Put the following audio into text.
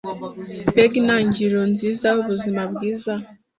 mbega intangiriro nziza yubuzima bwiza